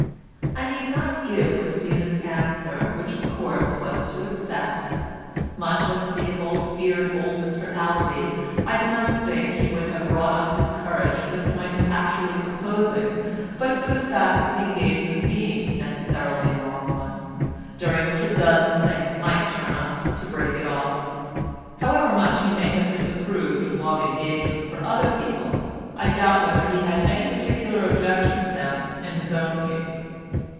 I need not give Christina's answer, which of course was to accept. Much as Theobald feared old Mr Allaby I do not think he would have wrought up his courage to the point of actually proposing but for the fact of the engagement being necessarily a long one, during which a dozen things might turn up to break it off. However much he may have disapproved of long engagements for other people, I doubt whether he had any particular objection to them in his own case.